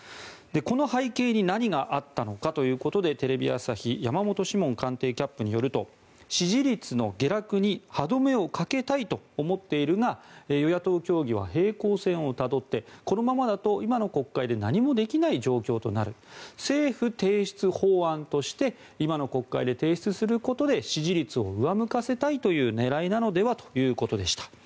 この背景に何があったのかということでテレビ朝日山本志門官邸キャップによると支持率の下落に歯止めをかけたいと思っているが与野党協議は平行線をたどってこのままだと今の国会で何もできない状況となる政府提出法案として今の国会で提出することで支持率を上向かせたいという狙いなのではということでした。